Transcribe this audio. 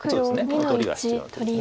この取りは必要なとこです。